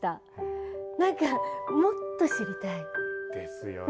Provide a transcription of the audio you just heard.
何かもっと知りたい。ですよね。